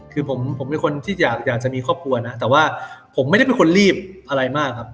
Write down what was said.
คือผมเป็นคนที่อยากจะมีครอบครัวนะแต่ว่าผมไม่ได้เป็นคนรีบอะไรมากครับ